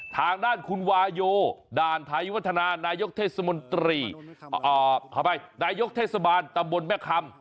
ทางด้านคุณวายโยด่านฐะยิวธนานายกเทศบาลตำบลแม่คำ